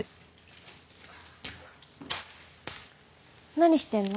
何してるの？